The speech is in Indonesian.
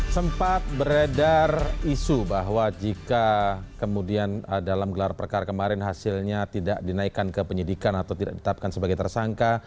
sempat beredar isu bahwa jika kemudian dalam gelar perkara kemarin hasilnya tidak dinaikkan ke penyidikan atau tidak ditetapkan sebagai tersangka